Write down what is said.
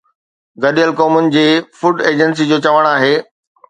گڏيل قومن جي فوڊ ايجنسي جو چوڻ آهي